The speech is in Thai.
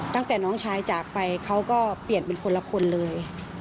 ตั้งแต่น้องชายจากไปเขาก็เปลี่ยนเป็นคนละคนเลย